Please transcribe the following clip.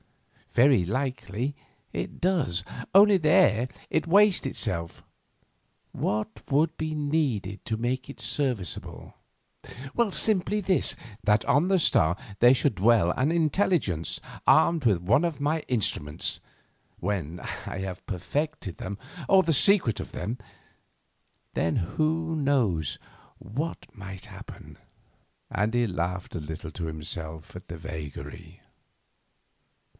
Very likely it does, only there it wastes itself. What would be needed to make it serviceable? Simply this—that on the star there should dwell an Intelligence armed with one of my instruments, when I have perfected them, or the secret of them. Then who knows what might happen?" and he laughed a little to himself at the vagary.